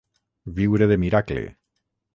Viure de miracle.